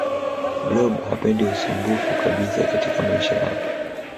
blob hapendi ususmbufu kabisa katika maisha yake